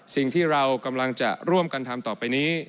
สิ่งที่เรากำลังจะร่วมกันทำต่อไปนี้